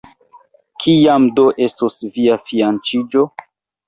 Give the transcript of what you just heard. Kiam do estos via fianĉiĝo?